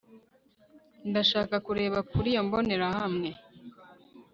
ndashaka kureba kuri iyo mbonerahamwe